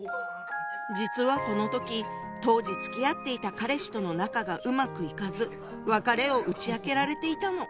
実はこの時当時つきあっていた彼氏との仲がうまくいかず別れを打ち明けられていたの。